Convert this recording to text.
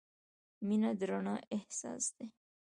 • مینه د رڼا احساس دی.